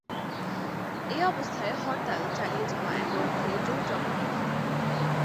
এ অবস্থায় হরতাল চালিয়ে যাওয়া এক অর্থে জোরজবরদস্তি।